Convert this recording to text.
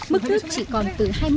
mức thức chỉ còn từ